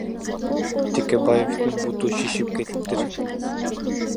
Текебаевдин буту шишип кетиптир.